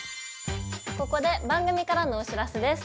ここで番組からのお知らせです。